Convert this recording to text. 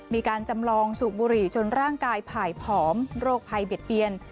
มีการจำลองสูบบุหรี่จนร่างกายผ่ายผอมโรคภัยเบียดเบียน